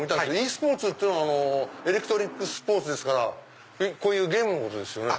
ｅスポーツっていうのはエレクトリックスポーツですからこういうゲームのことですよね？